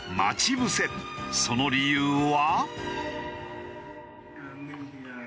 その理由は。